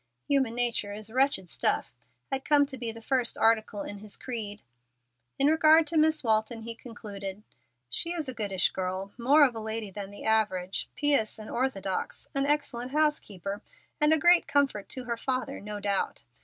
"Human nature is wretched stuff," had come to be the first article in his creed. In regard to Miss Walton he concluded: "She is a goodish girl, more of a lady than the average, pious and orthodox, an excellent housekeeper, and a great comfort to her father, no doubt.